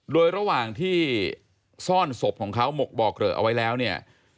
โดยระหว่างที่ซ่อนศพของเขาหมกบ่อเกลอะเอาไว้แล้วเนี่ย